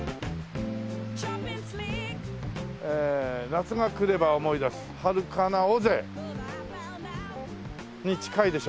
「夏が来れば思い出すはるかな尾瀬」に近いでしょ。